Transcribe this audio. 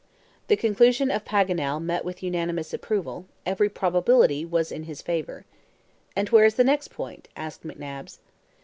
The conclusion of Paganel met with unanimous approval; every probability was in his favor. "And where is the next point?" asked McNabbs.